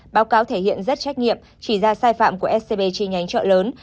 báo cáo thể hiện rất trách nhiệm chỉ ra sai phạm của scb chi nhánh chợ lớn